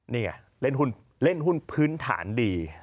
นี่ไงเล่นหุ้นพื้นฐานดี